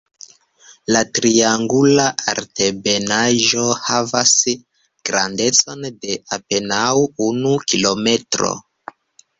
La triangula altebenaĵo havas grandecon de apenaŭ unu kilometro.